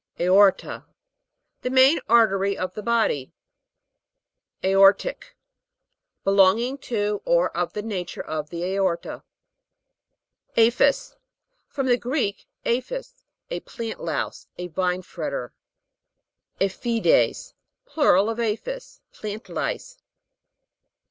AOR'TA. The main artery of the body. AOR'TIC. Belonging to, 01 of the nature of tiie aorta. A'PHIS. From the Greek, aphis, a plant louse, a vine fretter. A'PHIDES. Plural of aphis. Plant lice.